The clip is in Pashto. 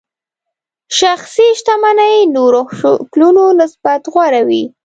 شخصي شتمنۍ نورو شکلونو نسبت غوره وي.